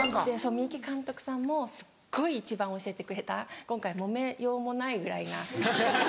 三池監督さんもすっごい一番教えてくれた今回もめようもないぐらいな。